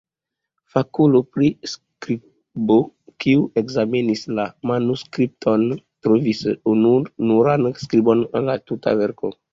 Fakulo pri skribo, kiu ekzamenis la manuskripton, trovis ununuran skribon en la tuta verko.